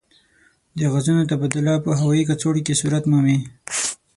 د غازونو تبادله په هوايي کڅوړو کې صورت مومي.